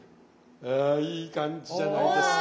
あいい感じじゃないですか。